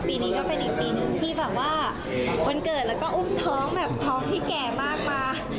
ปีนี้ก็เป็นอีกปีนึงที่แบบว่าวันเกิดแล้วก็อุ้มท้องแบบท้องที่แก่มากมา